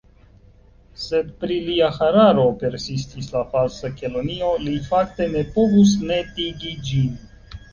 « Sed pri lia hararo," persistis la Falsa Kelonio, "li fakte ne povus netigi ĝin."